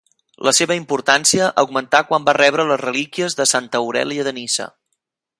La seva importància augmentà quan va rebre les relíquies de Santa Aurèlia de Niça.